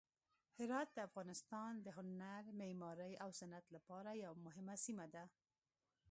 هرات د افغانستان د هنر، معمارۍ او صنعت لپاره یوه مهمه سیمه ده.